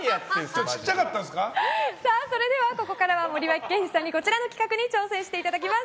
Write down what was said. それではここからは森脇健児さんにこちらの企画に挑戦していただきます。